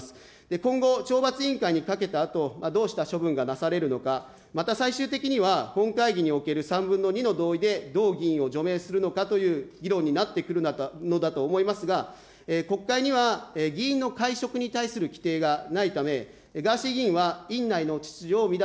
今後、懲罰委員会にかけたあと、どうした処分がなされるのか、また最終的には本会議における３分の２の同意で同議員を除名するのかという議論になってくるのだと思いますが、国会には議員の会食に対する、きていがないため、ガーシー議員は、院内の秩序を乱